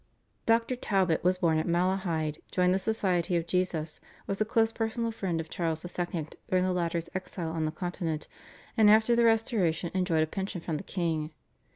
Dr. Talbot was born at Malahide, joined the Society of Jesus, was a close personal friend of Charles II. during the latter's exile on the Continent, and after the Restoration enjoyed a pension from the king.